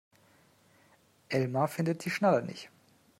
Elmar findet die Schnalle nicht.